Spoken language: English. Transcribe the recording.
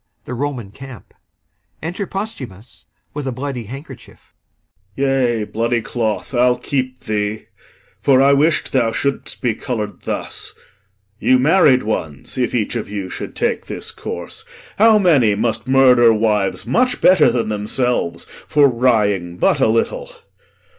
The Roman camp Enter POSTHUMUS alone, with a bloody handkerchief POSTHUMUS. Yea, bloody cloth, I'll keep thee; for I wish'd Thou shouldst be colour'd thus. You married ones, If each of you should take this course, how many Must murder wives much better than themselves For wrying but a little!